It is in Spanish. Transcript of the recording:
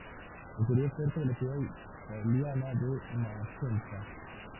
Ocurrió cerca de la ciudad italiana de Magenta.